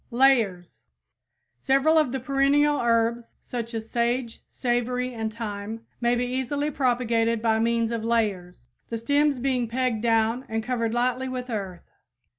LAYERS Several of the perennial herbs, such as sage, savory, and thyme, may be easily propagated by means of layers, the stems being pegged down and covered lightly with earth.